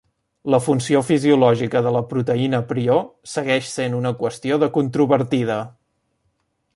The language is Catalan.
La funció fisiològica de la proteïna prió segueix sent una qüestió de controvertida.